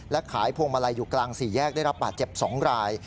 และขายพวงมาลัยอยู่กลางสี่แยกได้รับบาดเจ็บ๒ราย